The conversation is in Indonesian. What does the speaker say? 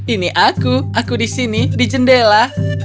ini aku aku di sini di jendela